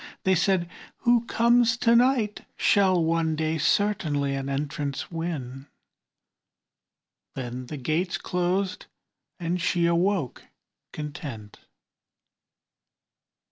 They said, "Who comes to night Shall one day certainly an entrance win;" Then the gate closed and she awoke content.